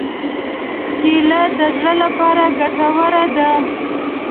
کېله د زړه لپاره ګټوره ده.